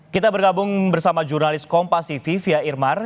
kita bergabung bersama jurnalis kompasifi fia irmar